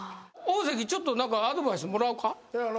大関ちょっと何かアドバイスもらうか？